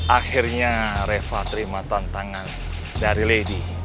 akhirnya reva terima tantangan dari lady